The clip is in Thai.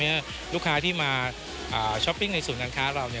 ลูกค้าที่มาช้อปปิ้งในศูนย์การค้าเรา